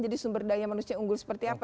jadi sumber daya manusia unggul seperti apa